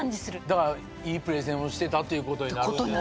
だからいいプレゼンをしてたっていうことになる。